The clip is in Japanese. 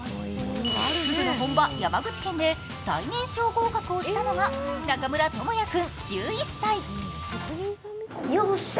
ふぐの本場・山口県で最年少合格をしたのが中村智弥君１１歳。